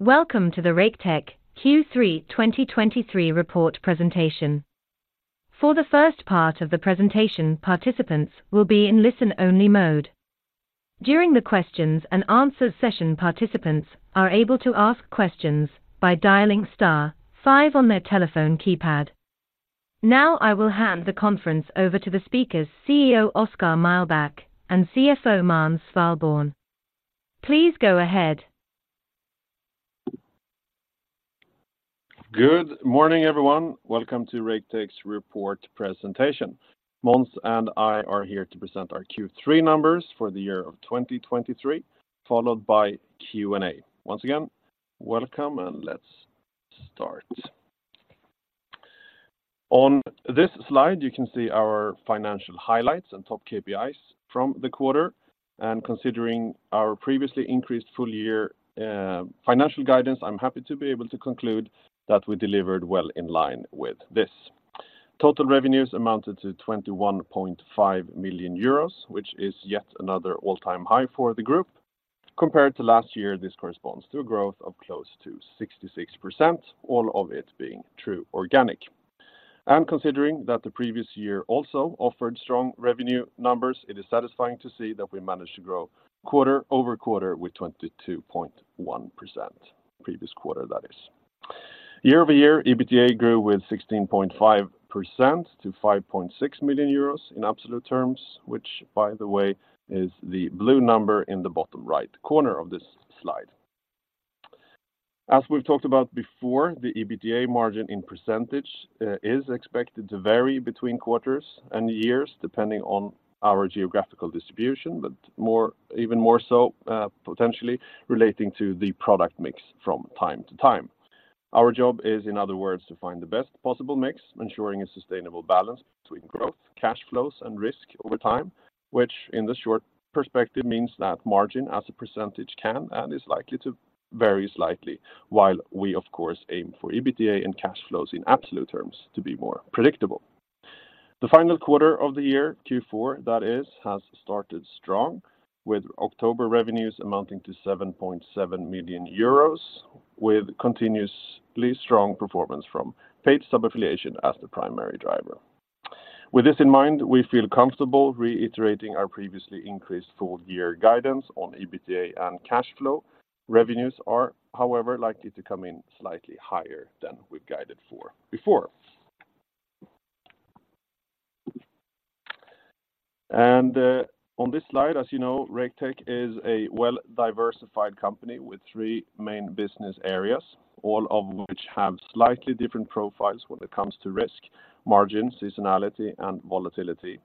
Welcome to the Raketech Q3 2023 report presentation. For the first part of the presentation, participants will be in listen-only mode. During the questions and answers session, participants are able to ask questions by dialing star five on their telephone keypad. Now, I will hand the conference over to the speakers, CEO Oskar Mühlbach and CFO Måns Svalborn. Please go ahead. Good morning, everyone. Welcome to Raketech's Report Presentation. Måns and I are here to present our Q3 numbers for the year of 2023, followed by Q&A. Once again, welcome, and let's start. On this slide, you can see our financial highlights and top KPIs from the quarter, and considering our previously increased full year financial guidance, I'm happy to be able to conclude that we delivered well in line with this. Total revenues amounted to 21.5 million euros, which is yet another all-time high for the group. Compared to last year, this corresponds to a growth of close to 66%, all of it being true organic. Considering that the previous year also offered strong revenue numbers, it is satisfying to see that we managed to grow quarter-over-quarter with 22.1%, previous quarter, that is. Year-over-year, EBITDA grew 16.5% to 5.6 million euros in absolute terms, which, by the way, is the blue number in the bottom right corner of this slide. As we've talked about before, the EBITDA margin in percentage is expected to vary between quarters and years, depending on our geographical distribution, but more, even more so, potentially relating to the product mix from time to time. Our job is, in other words, to find the best possible mix, ensuring a sustainable balance between growth, cash flows, and risk over time, which in the short perspective means that margin as a percentage can and is likely to vary slightly, while we, of course, aim for EBITDA and cash flows in absolute terms to be more predictable. The final quarter of the year, Q4, that is, has started strong, with October revenues amounting to 7.7 million euros, with continuously strong performance from paid sub-affiliation as the primary driver. With this in mind, we feel comfortable reiterating our previously increased full year guidance on EBITDA and cash flow. Revenues are, however, likely to come in slightly higher than we've guided for before. On this slide, as you know, Raketech is a well-diversified company with three main business areas, all of which have slightly different profiles when it comes to risk, margin, seasonality, and volatility.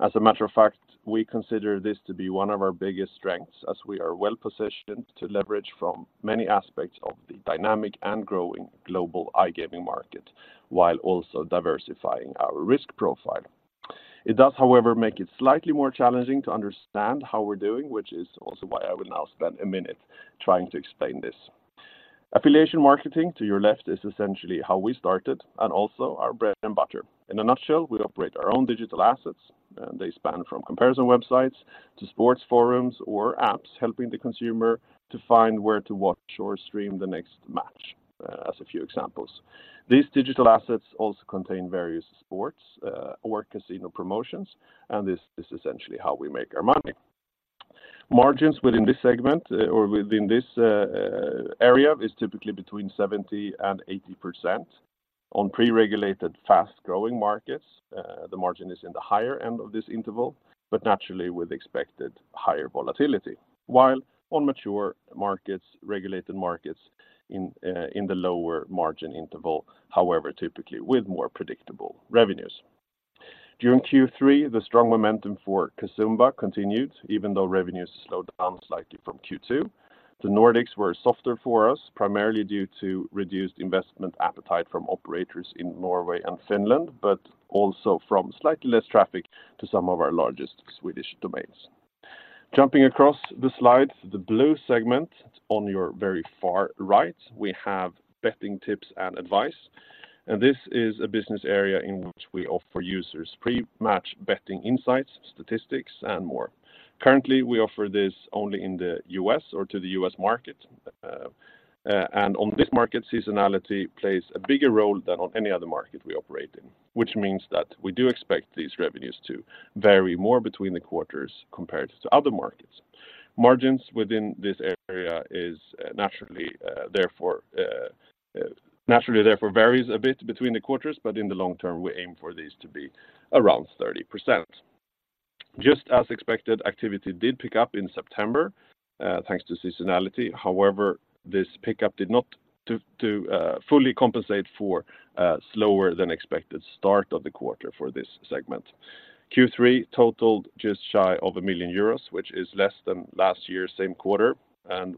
As a matter of fact, we consider this to be one of our biggest strengths, as we are well-positioned to leverage from many aspects of the dynamic and growing global iGaming market, while also diversifying our risk profile. It does, however, make it slightly more challenging to understand how we're doing, which is also why I will now spend a minute trying to explain this. Affiliation Marketing, to your left, is essentially how we started and also our bread and butter. In a nutshell, we operate our own digital assets, and they span from comparison websites to sports forums or apps, helping the consumer to find where to watch or stream the next match, as a few examples. These digital assets also contain various sports, or casino promotions, and this is essentially how we make our money. Margins within this segment, or within this area, is typically between 70% and 80%. On pre-regulated, fast-growing markets, the margin is in the higher end of this interval, but naturally with expected higher volatility, while on mature markets, regulated markets in the lower margin interval, however, typically with more predictable revenues. During Q3, the strong momentum for Casumba continued, even though revenues slowed down slightly from Q2. The Nordics were softer for us, primarily due to reduced investment appetite from operators in Norway and Finland, but also from slightly less traffic to some of our largest Swedish domains. Jumping across the slide, the blue segment on your very far right, we have betting tips and advice. This is a business area in which we offer users pre-match betting, insights, statistics, and more. Currently, we offer this only in the U.S. or to the U.S. market, and on this market, seasonality plays a bigger role than on any other market we operate in, which means that we do expect these revenues to vary more between the quarters compared to other markets. Margins within this area is naturally, therefore, varies a bit between the quarters, but in the long term, we aim for these to be around 30%. Just as expected, activity did pick up in September, thanks to seasonality. However, this pickup did not fully compensate for a slower than expected start of the quarter for this segment. Q3 totaled just shy of 1 million euros, which is less than last year's same quarter. And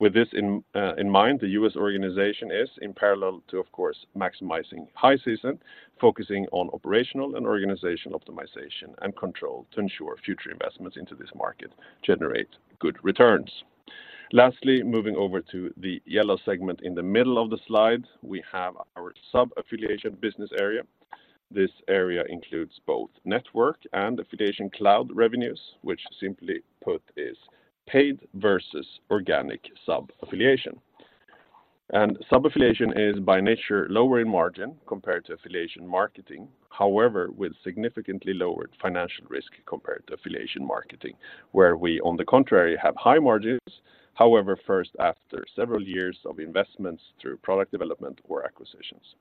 with this in mind, the U.S. organization is in parallel to, of course, maximizing high season, focusing on operational and organizational optimization and control to ensure future investments into this market generate good returns. Lastly, moving over to the yellow segment in the middle of the slide, we have our sub-affiliation business area. This area includes both network and AffiliationCloud revenues, which simply put, is paid versus organic sub-affiliation. And sub-affiliation is by nature, lower in margin compared to affiliation marketing. However, with significantly lowered financial risk compared to affiliation marketing, where we, on the contrary, have high margins. However, first, after several years of investments through product development or acquisitions.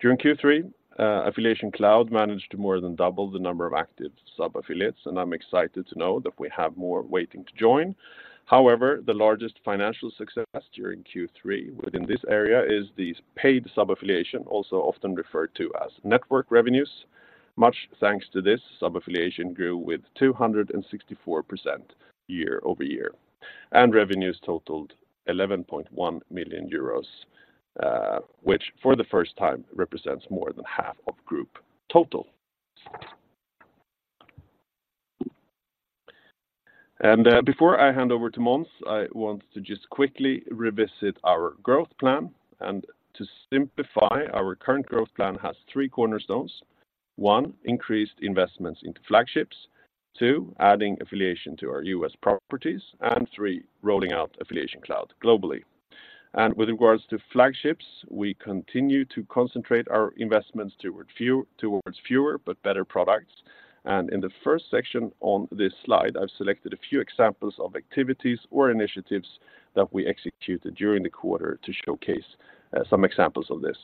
During Q3, AffiliationCloud managed more than double the number of active sub-affiliates, and I'm excited to know that we have more waiting to join. However, the largest financial success during Q3 within this area is these paid sub-affiliation, also often referred to as network revenues. Much thanks to this, sub-affiliation grew with 264% year-over-year, and revenues totaled 11.1 million euros, which for the first time represents more than half of group total. Before I hand over to Måns, I want to just quickly revisit our growth plan, and to simplify, our current growth plan has three cornerstones. One, increased investments into flagships. Two, adding affiliation to our U.S. properties, and three, rolling out AffiliationCloud globally. With regards to flagships, we continue to concentrate our investments towards fewer but better products. In the first section on this slide, I've selected a few examples of activities or initiatives that we executed during the quarter to showcase some examples of this.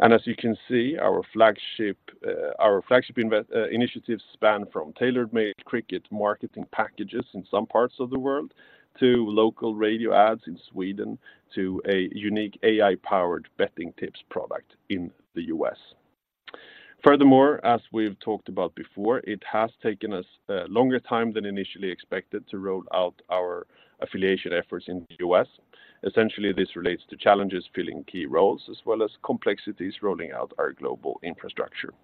As you can see, our flagship initiatives span from tailor-made cricket marketing packages in some parts of the world, to local radio ads in Sweden, to a unique AI-powered betting tips product in the U.S. Furthermore, as we've talked about before, it has taken us longer time than initially expected to roll out our affiliation efforts in the U.S. Essentially, this relates to challenges filling key roles, as well as complexities rolling out our global infrastructure.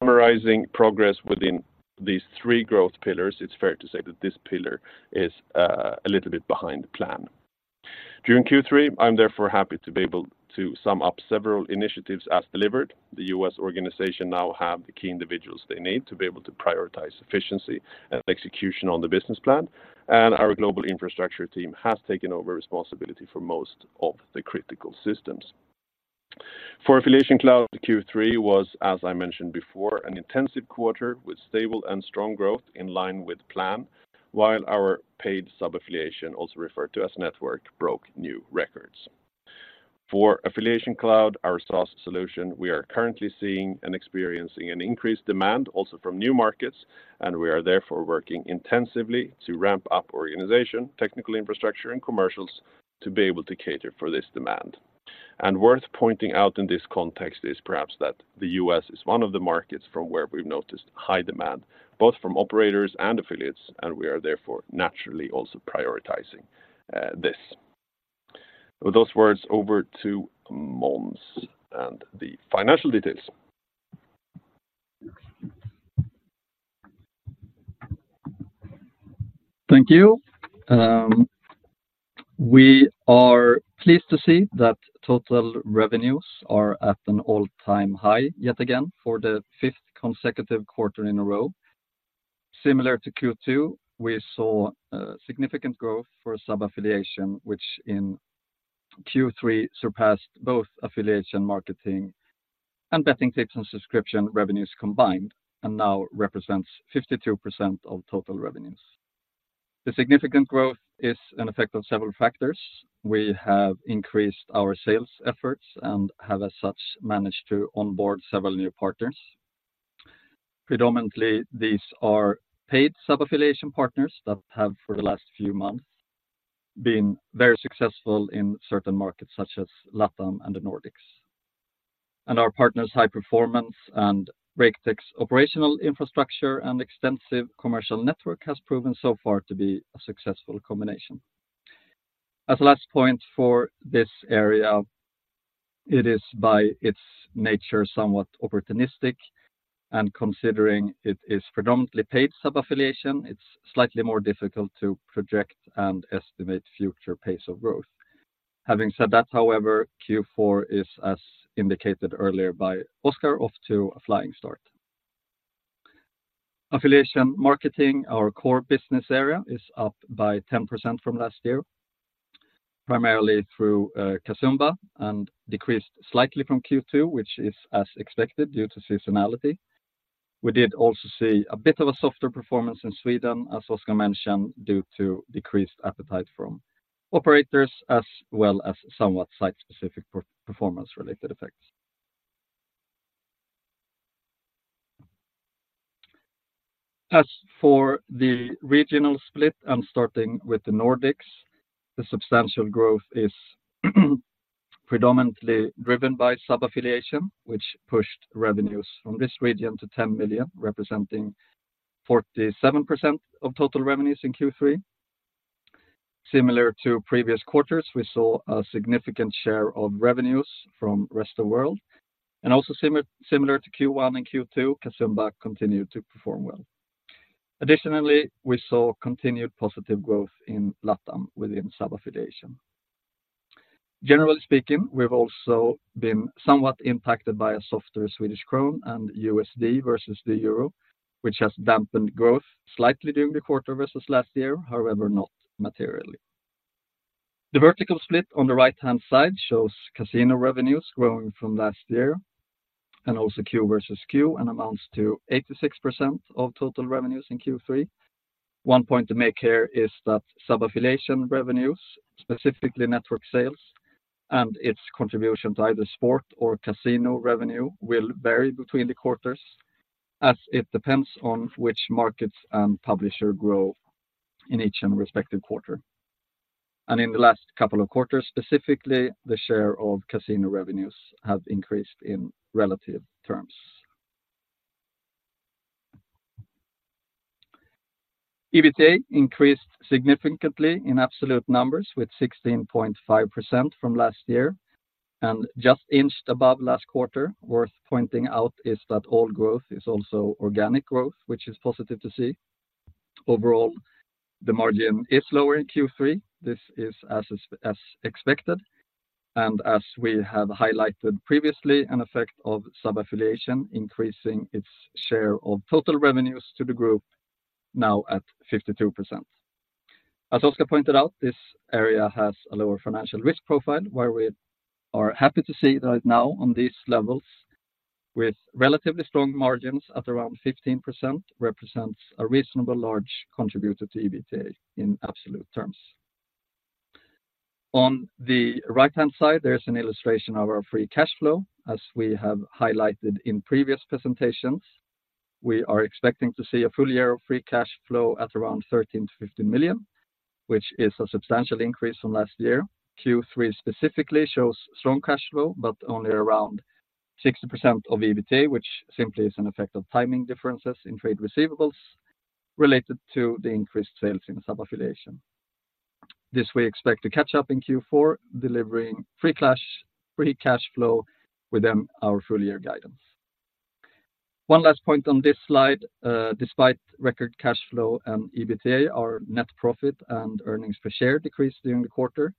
Summarizing progress within these three growth pillars, it's fair to say that this pillar is a little bit behind the plan. During Q3, I'm therefore happy to be able to sum up several initiatives as delivered. The U.S. organization now have the key individuals they need to be able to prioritize efficiency and execution on the business plan, and our global infrastructure team has taken over responsibility for most of the critical systems. For AffiliationCloud, Q3 was, as I mentioned before, an intensive quarter with stable and strong growth in line with plan, while our paid sub-affiliation, also referred to as network, broke new records. For AffiliationCloud, our SaaS solution, we are currently seeing and experiencing an increased demand also from new markets, and we are therefore working intensively to ramp up organization, technical infrastructure, and commercials to be able to cater for this demand. Worth pointing out in this context is perhaps that the U.S. is one of the markets from where we've noticed high demand, both from operators and affiliates, and we are therefore naturally also prioritizing this. With those words, over to Måns and the financial details. Thank you. We are pleased to see that total revenues are at an all-time high yet again for the fifth consecutive quarter in a row. Similar to Q2, we saw significant growth for sub-affiliation, which in Q3 surpassed both affiliation marketing and betting tips and subscription revenues combined, and now represents 52% of total revenues. The significant growth is an effect of several factors. We have increased our sales efforts and have as such managed to onboard several new partners. Predominantly, these are paid sub-affiliation partners that have, for the last few months, been very successful in certain markets such as LatAm and the Nordics. Our partners' high performance and Raketech's operational infrastructure and extensive commercial network has proven so far to be a successful combination. As last point for this area, it is by its nature, somewhat opportunistic, and considering it is predominantly paid sub-affiliation, it's slightly more difficult to project and estimate future pace of growth. Having said that, however, Q4 is, as indicated earlier by Oskar, off to a flying start. Affiliation marketing, our core business area, is up by 10% from last year, primarily through Casumba, and decreased slightly from Q2, which is as expected due to seasonality. We did also see a bit of a softer performance in Sweden, as Oskar mentioned, due to decreased appetite from operators, as well as somewhat site-specific per-performance related effects. As for the regional split, and starting with the Nordics, the substantial growth is predominantly driven by sub-affiliation, which pushed revenues from this region to 10 million, representing 47% of total revenues in Q3. Similar to previous quarters, we saw a significant share of revenues from Rest of World, and also similar to Q1 and Q2, Casumba continued to perform well. Additionally, we saw continued positive growth in LatAm within sub-affiliation. Generally speaking, we've also been somewhat impacted by a softer Swedish krona and USD versus the euro, which has dampened growth slightly during the quarter versus last year, however, not materially. The vertical split on the right-hand side shows casino revenues growing from last year, and also Q versus Q, and amounts to 86% of total revenues in Q3. One point to make here is that sub-affiliation revenues, specifically network sales, and its contribution to either sport or casino revenue, will vary between the quarters, as it depends on which markets and publisher grow in each and respective quarter. In the last couple of quarters, specifically, the share of casino revenues have increased in relative terms. EBITDA increased significantly in absolute numbers, with 16.5% from last year, and just inched above last quarter. Worth pointing out is that all growth is also organic growth, which is positive to see. Overall, the margin is lower in Q3. This is as expected, and as we have highlighted previously, an effect of sub-affiliation increasing its share of total revenues to the group, now at 52%. As Oskar pointed out, this area has a lower financial risk profile, where we are happy to see that now on these levels, with relatively strong margins at around 15%, represents a reasonable large contributor to EBITDA in absolute terms. On the right-hand side, there is an illustration of our free cash flow, as we have highlighted in previous presentations. We are expecting to see a full year of free cash flow at around 13 million-15 million, which is a substantial increase from last year. Q3 specifically shows strong cash flow, but only around 60% of EBITDA, which simply is an effect of timing differences in trade receivables related to the increased sales in sub-affiliation. This we expect to catch up in Q4, delivering free cash flow within our full year guidance. One last point on this slide, despite record cash flow and EBITDA, our net profit and earnings per share decreased during the quarter.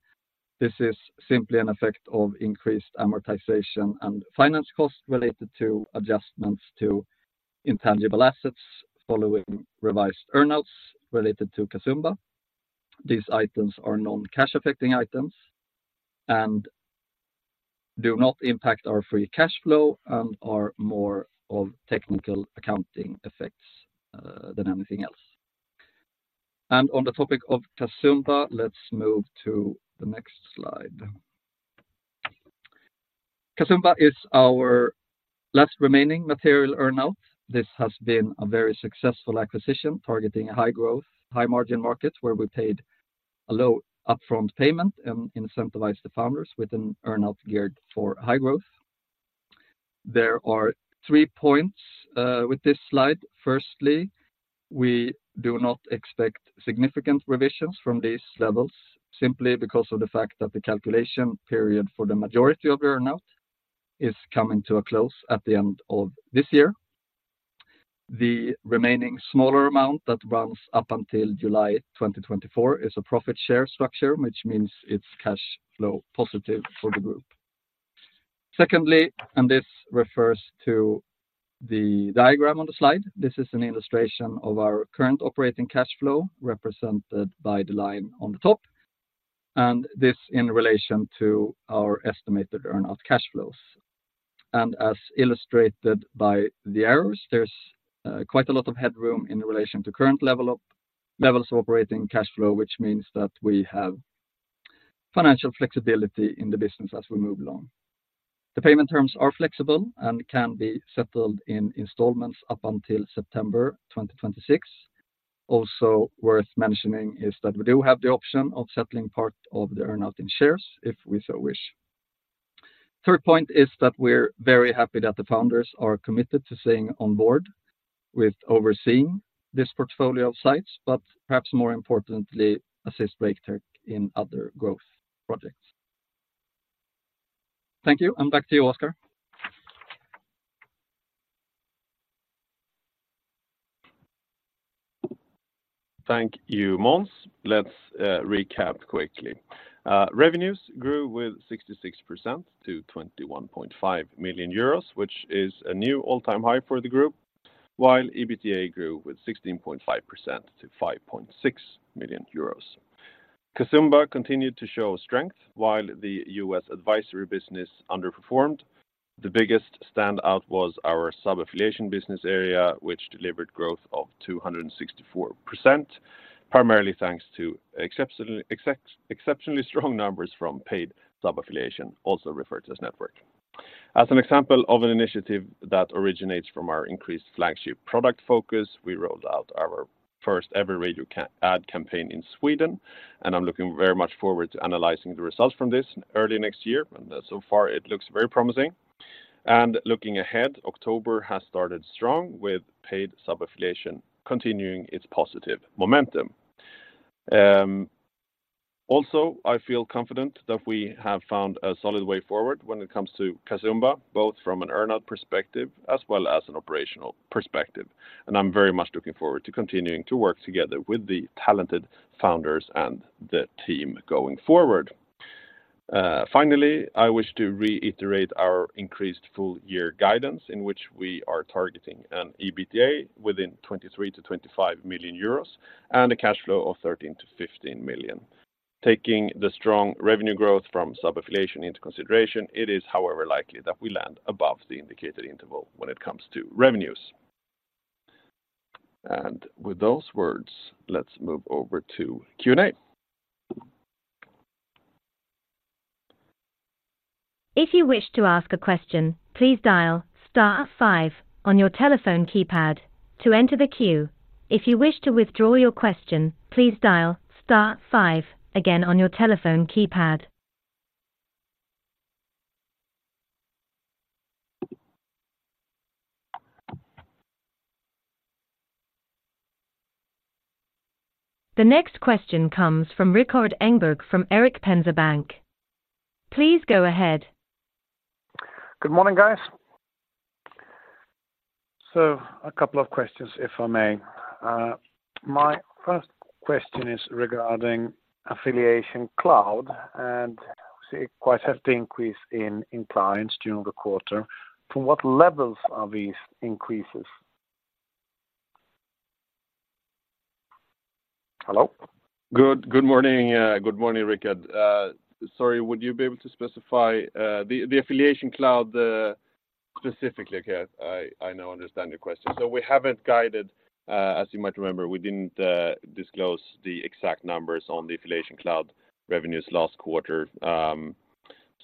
This is simply an effect of increased amortization and finance costs related to adjustments to intangible assets following revised earnouts related to Casumba. These items are non-cash-affecting items and do not impact our free cash flow and are more of technical accounting effects than anything else. On the topic of Casumba, let's move to the next slide. Casumba is our last remaining material earnout. This has been a very successful acquisition, targeting a high-growth, high-margin markets where we paid a low upfront payment and incentivized the founders with an earnout geared for high growth. There are three points with this slide. Firstly, we do not expect significant revisions from these levels simply because of the fact that the calculation period for the majority of the earnout is coming to a close at the end of this year. The remaining smaller amount that runs up until July 2024 is a profit share structure, which means it's cash flow positive for the group. Secondly, this refers to the diagram on the slide. This is an illustration of our current operating cash flow, represented by the line on the top, and this in relation to our estimated earnout cash flows. As illustrated by the arrows, there's quite a lot of headroom in relation to current levels of operating cash flow, which means that we have financial flexibility in the business as we move along. The payment terms are flexible and can be settled in installments up until September 2026. Also worth mentioning is that we do have the option of settling part of the earnout in shares if we so wish. Third point is that we're very happy that the founders are committed to staying on board with overseeing this portfolio of sites, but perhaps more importantly, assist Raketech in other growth projects. Thank you, and back to you, Oskar. Thank you, Måns. Let's recap quickly. Revenues grew with 66% to 21.5 million euros, which is a new all-time high for the group, while EBITDA grew with 16.5% to 5.6 million euros. Casumba continued to show strength, while the U.S. tipster operations underperformed. The biggest standout was our sub-affiliation business area, which delivered growth of 264%, primarily thanks to exceptionally strong numbers from paid sub-affiliation, also referred to as network. As an example of an initiative that originates from our increased flagship product focus, we rolled out our first-ever radio ad campaign in Sweden, and I'm looking very much forward to analyzing the results from this early next year, and so far, it looks very promising. Looking ahead, October has started strong, with paid sub-affiliation continuing its positive momentum. Also, I feel confident that we have found a solid way forward when it comes to Casumba, both from an earnout perspective as well as an operational perspective. And I'm very much looking forward to continuing to work together with the talented founders and the team going forward.... Finally, I wish to reiterate our increased full year guidance, in which we are targeting an EBITDA within 23 million-25 million euros, and a cash flow of 13 million-15 million. Taking the strong revenue growth from sub-affiliation into consideration, it is, however, likely that we land above the indicated interval when it comes to revenues. And with those words, let's move over to Q&A. If you wish to ask a question, please dial star five on your telephone keypad to enter the queue. If you wish to withdraw your question, please dial star five again on your telephone keypad. The next question comes from Rikard Engberg from Erik Penser Bank. Please go ahead. Good morning, guys. So a couple of questions, if I may. My first question is regarding AffiliationCloud, and we see quite a hefty increase in clients during the quarter. To what levels are these increases? Hello? Good morning, Rickard. Sorry, would you be able to specify the AffiliationCloud specifically? Okay, I now understand your question. So we haven't guided, as you might remember, we didn't disclose the exact numbers on the AffiliationCloud revenues last quarter.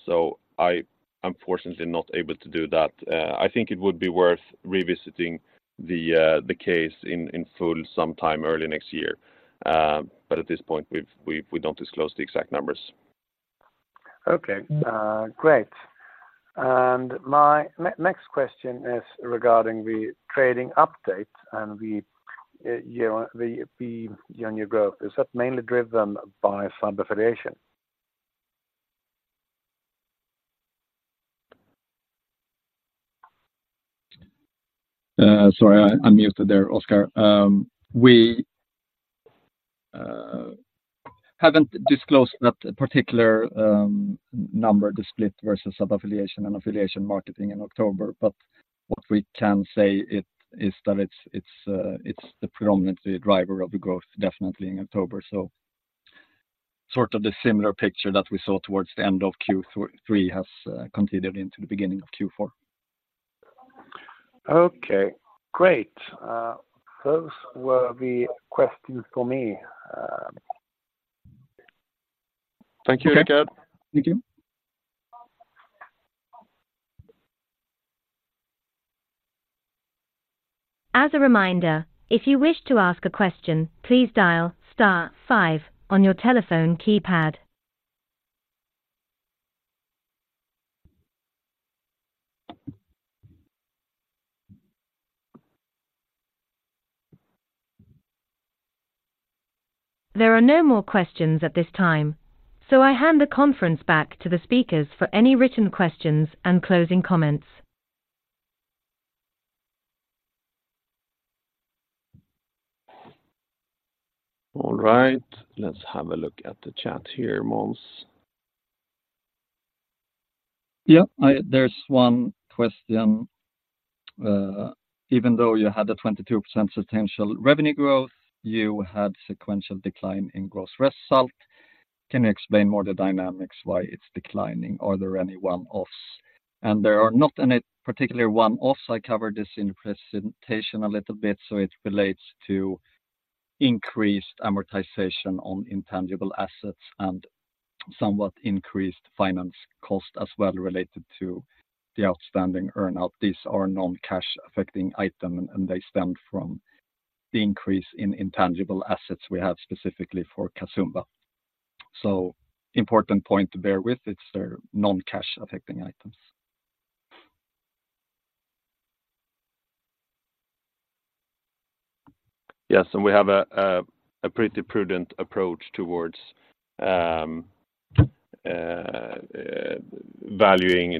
So I am fortunately not able to do that. I think it would be worth revisiting the case in full sometime early next year. But at this point, we don't disclose the exact numbers. Okay, great. And my next question is regarding the trading update and the year-on-year growth. Is that mainly driven by sub-affiliation? Sorry, I muted there, Oskar. We haven't disclosed that particular number, the split versus sub-affiliation and affiliation marketing in October, but what we can say is that it's the predominant driver of the growth, definitely in October. So sort of the similar picture that we saw towards the end of Q3 has continued into the beginning of Q4. Okay, great. Those were the questions for me. Thank you, Rickard. Thank you. As a reminder, if you wish to ask a question, please dial star five on your telephone keypad. There are no more questions at this time, so I hand the conference back to the speakers for any written questions and closing comments. All right, let's have a look at the chat here, Måns. Yeah, there's one question. Even though you had a 22% substantial revenue growth, you had sequential decline in gross result. Can you explain more the dynamics why it's declining? Are there any one-offs? There are not any particular one-offs. I covered this in the presentation a little bit, so it relates to increased amortization on intangible assets and somewhat increased finance cost as well, related to the outstanding earnout. These are non-cash affecting items, and they stem from the increase in intangible assets we have specifically for Casumba. So important point to bear with, it's they're non-cash affecting items. Yes, and we have a pretty prudent approach towards valuing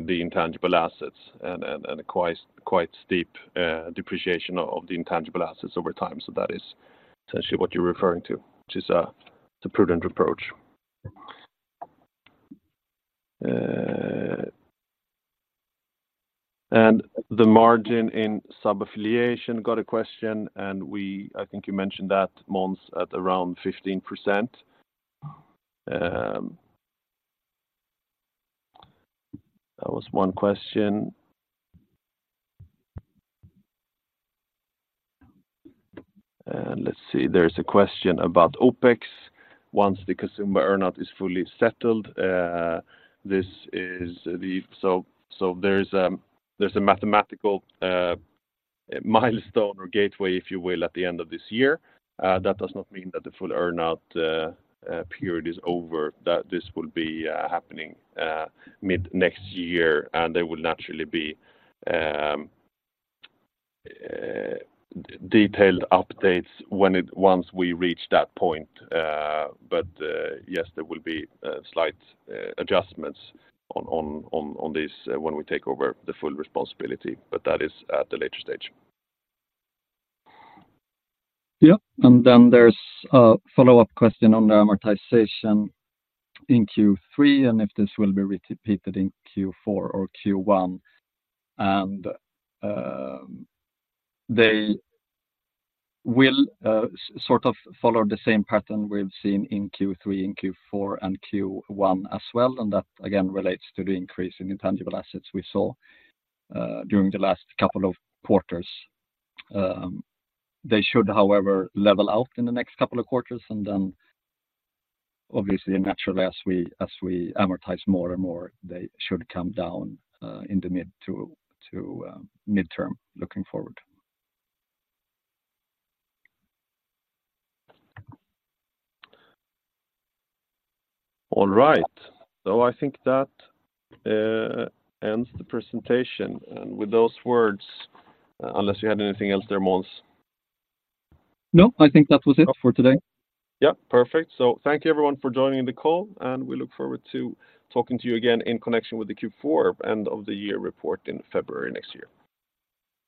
the intangible assets and a quite steep depreciation of the intangible assets over time. So that is essentially what you're referring to, which is a prudent approach. And the margin in sub-affiliation got a question, and we, I think you mentioned that, Måns, at around 15%. That was one question. And let's see, there's a question about OpEx. Once the Casumba earn-out is fully settled, this is the. So, there's a mathematical milestone or gateway, if you will, at the end of this year. That does not mean that the full earn-out period is over. That this will be happening mid-next year, and there will naturally be detailed updates once we reach that point. But yes, there will be slight adjustments on this when we take over the full responsibility, but that is at a later stage. Yeah, and then there's a follow-up question on the amortization in Q3, and if this will be repeated in Q4 or Q1. They will sort of follow the same pattern we've seen in Q3, in Q4, and Q1 as well, and that again relates to the increase in intangible assets we saw during the last couple of quarters. They should, however, level out in the next couple of quarters, and then obviously, naturally, as we amortize more and more, they should come down in the mid- to midterm, looking forward. All right. So I think that ends the presentation. And with those words, unless you had anything else there, Måns? No, I think that was it for today. Yeah, perfect. So thank you, everyone, for joining the call, and we look forward to talking to you again in connection with the Q4 end of the year report in February next year.